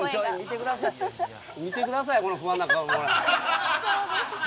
見てください、この不安な顔。